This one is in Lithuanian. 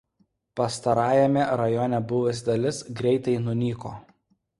Pastarajame rajone buvusi dalis greitai nunyko.